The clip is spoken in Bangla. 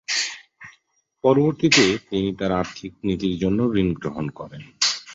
পরবর্তীতে তিনি তার আর্থিক নীতির জন্য ঋণ গ্রহণ করেন।